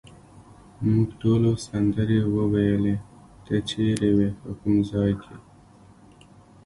موږ ټولو سندرې وویلې، ته چیرې وې، په کوم ځای کې؟